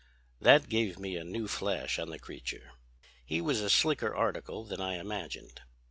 "That gave me a new flash on the creature. He was a slicker article than I imagined.